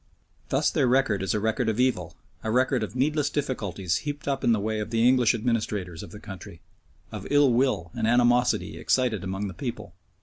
Thus their record is a record of evil, a record of needless difficulties heaped up in the way of the English administrators of the country, of ill will and animosity excited among the people.